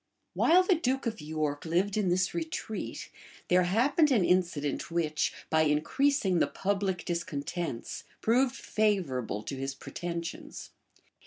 [*] While the duke of York lived in this retreat, there happened an incident which, by increasing the public discontents, proved favorable to his pretensions.